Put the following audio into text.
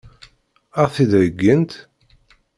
Ad ɣ-t-id-heggint?